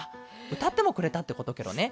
うたってもくれたってことケロね。